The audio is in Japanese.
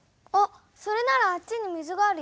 それならあっちに水があるよ。